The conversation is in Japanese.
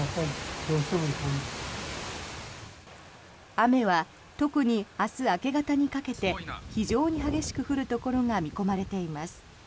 雨は特に明日明け方にかけて非常に激しく降るところが見込まれています。